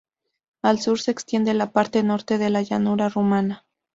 Al sur se extiende la parte norte de la Llanura Rumana.